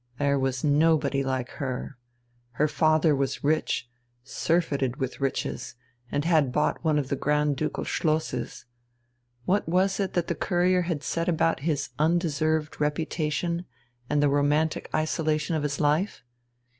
There was nobody like her. Her father was rich, surfeited with riches, and had bought one of the Grand Ducal Schlosses. What was it that the Courier had said about his undeserved reputation and the "romantic isolation of his life"?